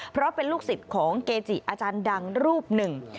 เพราะเป็นลูกศิษย์ของเกจิอาจารย์ดังรูปหนึ่ง